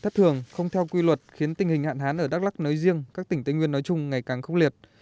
thất thường không theo quy luật khiến tình hình hạn hán ở đắk lắc nói riêng các tỉnh tây nguyên nói chung ngày càng khốc liệt